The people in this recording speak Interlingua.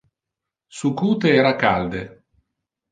Su cute era calde.